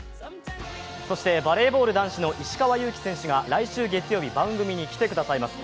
そしてバレーボール男子の石川祐希選手が来週月曜日、番組に来ていただきます。